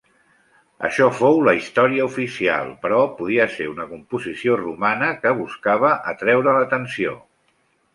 Això fou la història oficial però podia ser una composició romana que buscava atreure l'atenció.